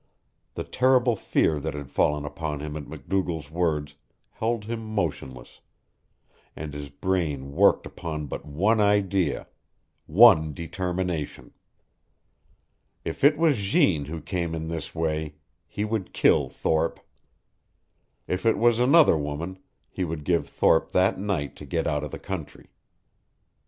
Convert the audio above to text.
The terrible fear that had fallen upon him at MacDougall's words held him motionless, and his brain worked upon but one idea one determination. If it was Jeanne who came in this way, he would kill Thorpe. If it was another woman, he would give Thorpe that night to get out of the country.